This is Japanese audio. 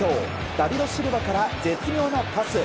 ダビド・シルバから絶妙なパス。